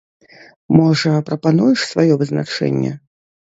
Можа, прапануеш сваё вызначэнне?